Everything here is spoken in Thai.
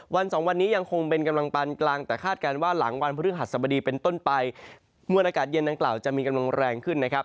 สองวันนี้ยังคงเป็นกำลังปานกลางแต่คาดการณ์ว่าหลังวันพฤหัสสบดีเป็นต้นไปมวลอากาศเย็นดังกล่าวจะมีกำลังแรงขึ้นนะครับ